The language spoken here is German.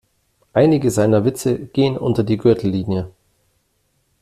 Einige seiner Witze gehen unter die Gürtellinie.